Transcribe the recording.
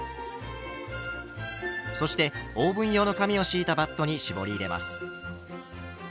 そしてオーブン用の紙を敷いたバットに絞り入れます。